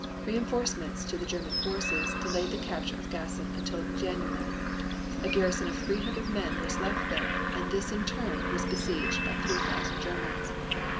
Reinforcements to the German forces delayed the capture of Gassin until January. A garrison of three hundred men was left there and this in turn was besieged by three thousand Germans.